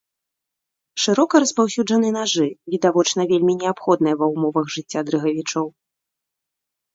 Шырока распаўсюджаны нажы, відавочна вельмі неабходныя ва ўмовах жыцця дрыгавічоў.